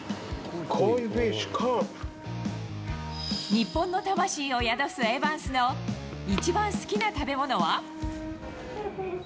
日本の魂を宿すエヴァンスの一番好きな食べ物は？